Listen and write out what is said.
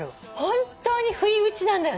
本当に不意打ちなんだよね